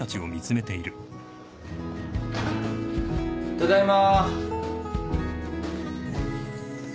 ただいま。